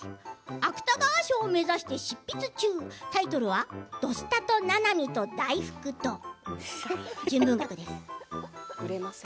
芥川賞を目指して執筆中タイトルは「「土スタ」とななみと大福と」です。